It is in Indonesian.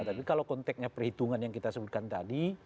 tapi kalau konteknya perhitungan yang kita sebutkan tadi